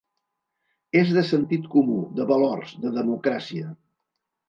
És de sentit comú, de valors, de democràcia.